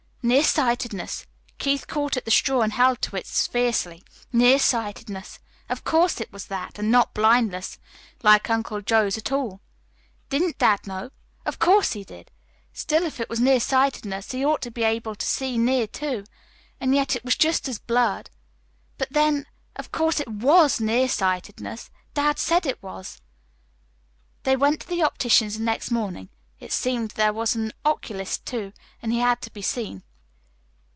Near sightedness! Keith caught at the straw and held to it fiercely. Near sightedness! Of course, it was that, and not blindness, like Uncle Joe's at all. Didn't dad know? Of course, he did! Still, if it was near sightedness he ought to be able to see near to; and yet it was just as blurred But, then, of course it WAS near sightedness. Dad said it was. They went to the optician's the next morning. It seemed there was an oculist, too, and he had to be seen.